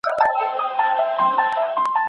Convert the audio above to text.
زړو بوټانو پوستونه راټول شول.